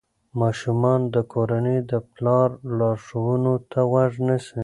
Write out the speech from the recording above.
ماشومان د کورنۍ د پلار لارښوونو ته غوږ نیسي.